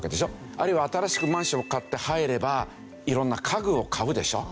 あるいは新しくマンションを買って入れば色んな家具を買うでしょ。